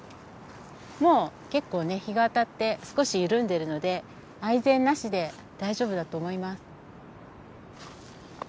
もう結構ね日が当たって少し緩んでるのでアイゼンなしで大丈夫だと思います。